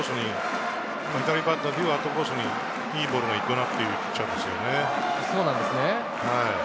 左バッターにはアウトコースにいいボールが行くなっていうピッチャーですよね。